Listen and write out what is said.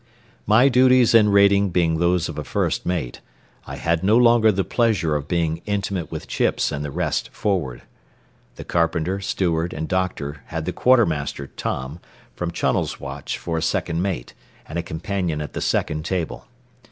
My duties and rating being those of a first mate, I had no longer the pleasure of being intimate with Chips and the rest forward. The carpenter, steward, and "doctor" had the quartermaster, Tom, from Trunnell's watch for a second mate and companion at the second table.